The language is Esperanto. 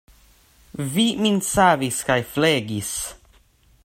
Vi min savis kaj flegis.